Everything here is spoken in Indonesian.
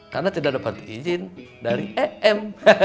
karena tidak dapat izin dari em